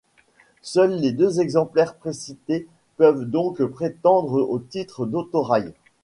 Seuls les deux exemplaires précités peuvent donc prétendre au titre d'autorail.